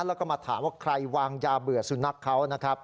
แล้วก็มาถามว่าใครวางยาเบื่อสุนัขเขานะครับ